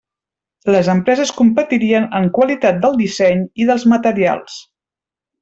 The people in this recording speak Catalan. Les empreses competirien en qualitat del disseny i dels materials.